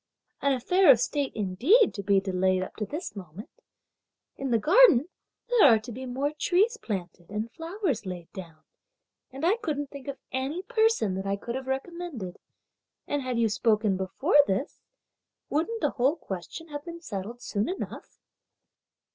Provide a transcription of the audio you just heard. an affair of state indeed to be delayed up to this moment! In the garden, there are to be more trees planted and flowers laid down, and I couldn't think of any person that I could have recommended, and had you spoken before this, wouldn't the whole question have been settled soon enough?"